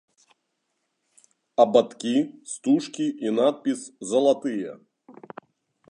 Абадкі, стужкі і надпіс залатыя.